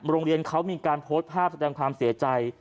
โรงเรียนเขามีการโพสต์ภาพแสดงความเสียใจ